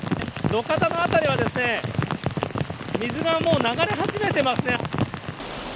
路肩の辺りは水がもう流れ始めてますね。